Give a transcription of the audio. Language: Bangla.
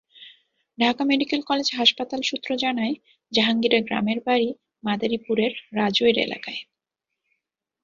ঢাকা মেডিকেল কলেজ হাসপাতাল সূত্র জানায়, জাহাঙ্গীরের গ্রামের বাড়ি মাদারীপুরের রাজৈর এলাকায়।